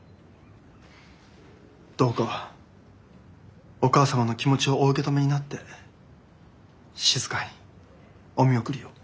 どうかお母様の気持ちをお受け止めになって静かにお見送りを。